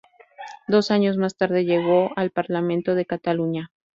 Dos años más tarde llegó al Parlamento de Cataluña.